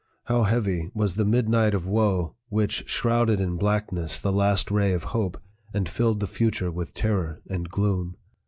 how heavy was the midnight of woe which shrouded in blackness the last ray of hope, and filled the future with terror and gloom!